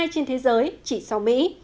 trên thế giới chỉ sau mỹ